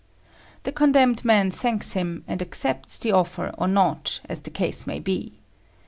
The condemned man thanks him and accepts the offer or not, as the case may be.